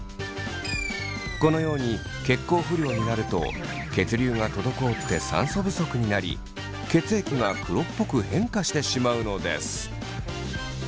このように血行不良になると血流が滞って酸素不足になり血液が黒っぽく変化してしまうのです。